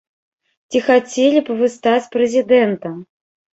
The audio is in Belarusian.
Ці хацелі б вы стаць прэзідэнтам?